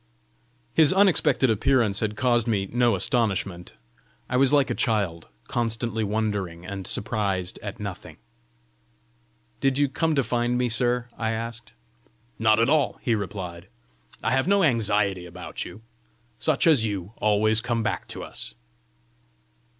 His unexpected appearance had caused me no astonishment. I was like a child, constantly wondering, and surprised at nothing. "Did you come to find me, sir?" I asked. "Not at all," he replied. "I have no anxiety about you. Such as you always come back to us."